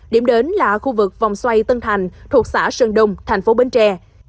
điểm đến là khu vực vòng xoay tân thành thuộc xã sơn đông thành phố bến tre